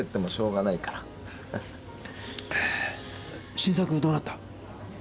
新作どうなった？